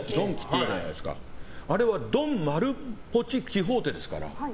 あれはドン・キホーテですから。